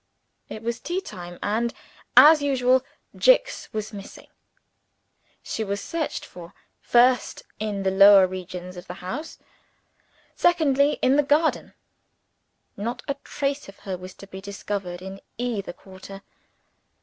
It was tea time; and, as usual, Jicks was missing. She was searched for, first in the lower regions of the house; secondly in the garden. Not a trace of her was to be discovered in either quarter.